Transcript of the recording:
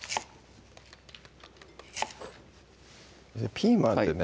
ピーマンってね